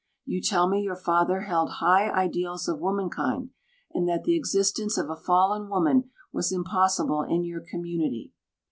You tell me your father held high ideals of womankind, and that the existence of a fallen woman was impossible in your community.